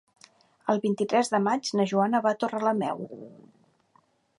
El vint-i-tres de maig na Joana va a Torrelameu.